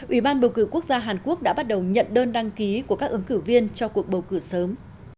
ủy ban bầu cử quốc gia hàn quốc đã bắt đầu nhận đơn đăng ký của các ứng cử viên cho cuộc bầu cử sớm